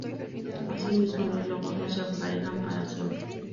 Asimismo los lobos no se emparejan para siempre.